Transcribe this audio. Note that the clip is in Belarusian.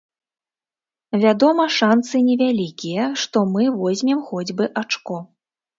Вядома, шанцы невялікія, што мы возьмем хоць бы ачко.